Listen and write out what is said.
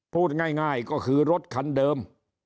พูดง่ายก็คือรถคันเดิม